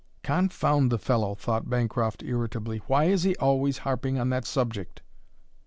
"Confound the fellow," thought Bancroft irritably, "why is he always harping on that subject!"